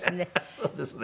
そうですね。